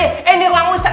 eh ini ruang ustaz